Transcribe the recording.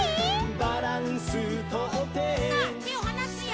「バランスとって」さあてをはなすよ。